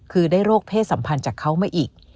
คือได้โรคเพศสัมพันธ์จากเขามาอีก